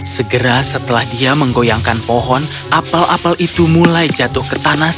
segera setelah dia menggoyangkan pohon apel apel itu mulai jatuh ke tanah suci